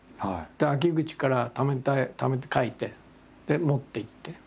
秋口からためて描いて。で持っていって。